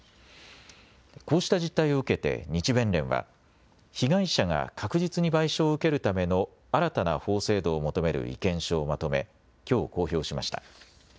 こうした実態を受けて日弁連は被害者が確実に賠償を受けるための新たな法制度を求める意見書をまとめ、きょう公表しました。